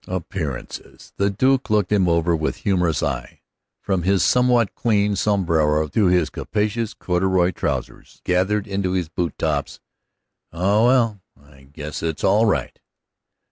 "Appearances!" The Duke looked him over with humorous eye, from his somewhat clean sombrero to his capacious corduroy trousers gathered into his boot tops. "Oh, well, I guess it's all right."